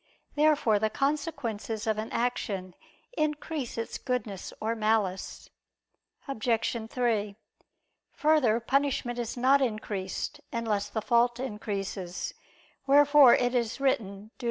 Therefore the consequences of an action increase its goodness or malice. Obj. 3: Further, punishment is not increased, unless the fault increases: wherefore it is written (Deut.